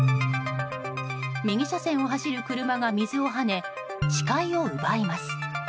右車線を走る車が水をはね視界を奪います。